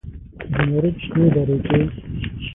زمرودو شنې درې کې